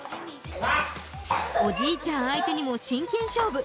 おじいちゃん相手にも真剣勝負。